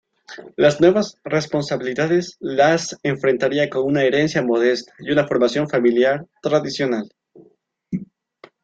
Las nuevas responsabilidades las enfrentaría con una herencia modesta y una formación familiar tradicional.